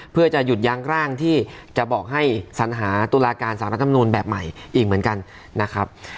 เพื่อจะหยุดยั้งร่างที่จะบอกให้สัญหาตุลาการสารรัฐธรรมนูลแบบใหม่อีกเหมือนกันนะครับ